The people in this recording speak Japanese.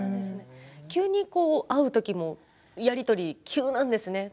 急に、会うときもやり取り急なんですね。